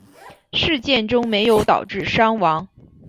事件中没有导致伤亡。